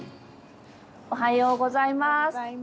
おはようございます。